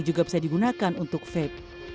juga bisa digunakan untuk vape